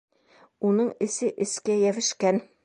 Уның эсе эскә йәбешкән.